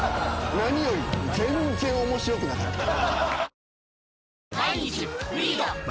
何より全然面白くなかった。